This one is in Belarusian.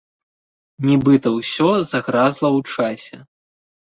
Нібыта ўсё загразла ў часе.